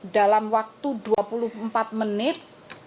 dalam waktu dua puluh empat menit